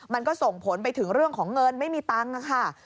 มันก็ส่งผลไปถึงเรื่องของเงินไม่มีตังค์ค่ะ